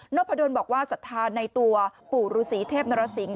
พะดนบอกว่าศรัทธาในตัวปู่ฤษีเทพนรสิงห